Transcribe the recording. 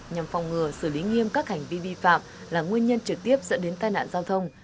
nhằm phòng ngừa xử lý nghiêm các hành vi vi phạm là nguyên nhân trực tiếp dẫn đến tai nạn giao thông